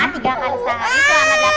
tiga kali sehari selama delapan jam ya pak